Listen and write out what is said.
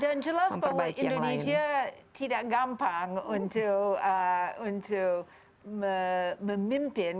dan jelas bahwa indonesia tidak gampang untuk memimpin